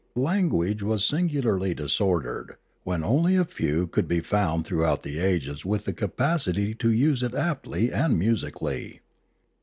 Language was singularly disordered, when only a few could be found throughout the ages with the capacity to use it aptly and musically.